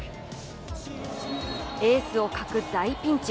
エースを欠く大ピンチ。